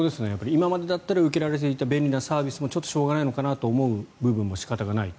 今までだったら受けられていたサービスもちょっとしょうがないと思う部分も仕方がないと。